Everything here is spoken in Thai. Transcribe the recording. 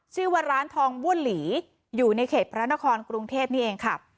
ชื่อว่าร้านทองบ้วนหลีอยู่ในเขตพระนครกรุงเทพนี่เองค่ะ